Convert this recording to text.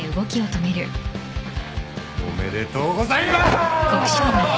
おめでとうございまーす！